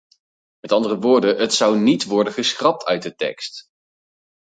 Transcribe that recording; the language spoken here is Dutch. Met andere woorden, het zou niet worden geschrapt uit de tekst.